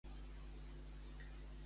Què podrà fer la Juno?